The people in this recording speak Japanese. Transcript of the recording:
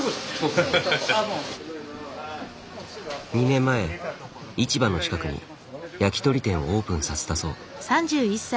２年前市場の近くに焼き鳥店をオープンさせたそう。